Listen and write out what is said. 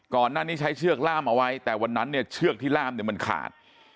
ก่อนหน้านี้ใช้เชือกล่ามเอาไว้แต่วันนั้นเนี่ยเชือกที่ล่ามเนี่ยมันขาด